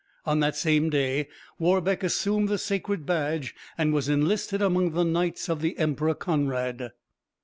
On that same day Warbeck assumed the sacred badge, and was enlisted among the knights of the Emperor Conrad.